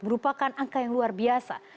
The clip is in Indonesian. merupakan angka yang luar biasa